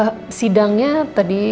ehm sidangnya tadi